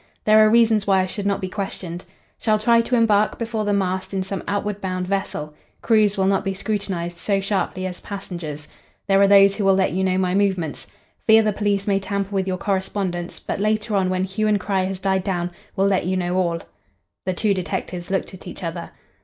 There are reasons why I should not be questioned. Shall try to embark before the mast in some outward bound vessel. Crews will not be scrutinised so sharply as passengers. There are those who will let you know my movements. Fear the police may tamper with your correspondence, but later on when hue and cry has died down will let you know all.'" The two detectives looked at each other.